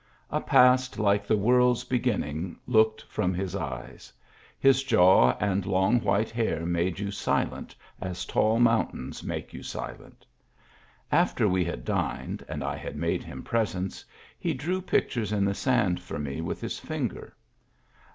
A past like the world's beginning looked from his eyes; his jaw and long white hair made you silent as tall mountains make you silent After we had dined and I had made him presents, he drew pictures in the sand for me with his finger.